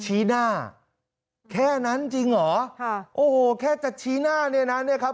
ชี้หน้าแค่นั้นจริงเหรอค่ะโอ้โหแค่จะชี้หน้าเนี่ยนะเนี่ยครับ